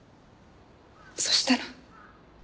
そしたら。